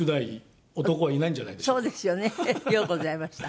ようございました。